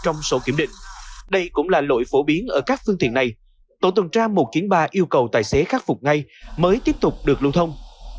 trong sổ kiểm định đây cũng là lỗi phổ biến ở các phương tiện này tổ tuần tra một trăm chín mươi ba yêu cầu tài xế khắc phục ngay mới tiếp tục được lưu thông